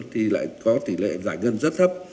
thì lại có tỷ lệ giải ngân rất thấp